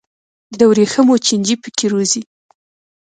د ورېښمو چینجي پکې روزي.